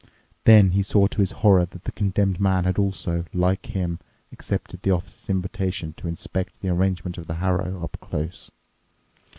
Then he saw to his horror that the Condemned Man had also, like him, accepted the Officer's invitation to inspect the arrangement of the harrow up close.